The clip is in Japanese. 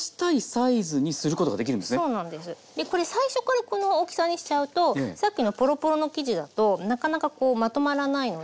これ最初からこの大きさにしちゃうとさっきのポロポロの生地だとなかなかこうまとまらないので。